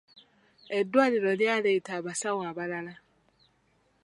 Eddwaliro lyaleeta abasawo abalala.